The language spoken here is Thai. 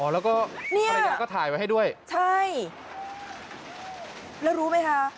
แล้วก็ภรรยาก็ถ่ายไว้ให้ด้วยใช่แล้วรู้ไหมคะ